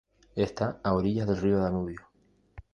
Está a orillas del río Danubio.